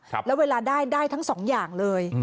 แล้วเวลาได้ได้ทั้งสองอย่างเลย